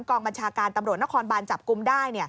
กองบัญชาการตำรวจนครบานจับกลุ่มได้